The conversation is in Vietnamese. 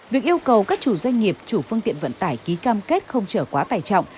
việc yêu cầu các chủ doanh nghiệp chủ phương tiện vận tải ký cam kết không trở quá tải trọng